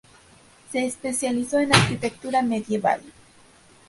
Se especializó en arquitectura medieval.